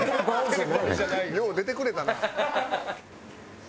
よう出てくれたな。